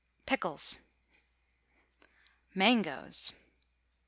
PICKLES. MANGOES.